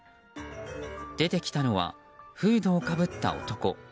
出てきたのはフードをかぶった男。